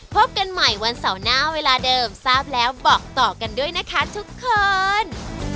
พบกันใหม่วันเสาร์หน้าเวลาเดิมทราบแล้วบอกต่อกันด้วยนะคะทุกคน